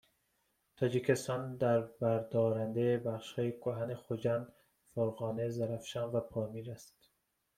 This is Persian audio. تاجیکستان دربردارنده بخشهای کهن خجند فرغانه زرافشان و پامیر است